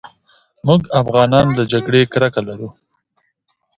له افغانانو سره جنګ کول په سيم ښاردار کوونه پاکول دي